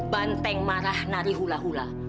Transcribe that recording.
banteng marah nari hula hula